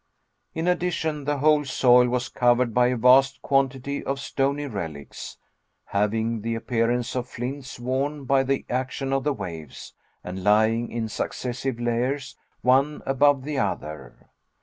In addition, the whole soil was covered by a vast quantity of stony relics, having the appearance of flints worn by the action of the waves, and lying in successive layers one above the other.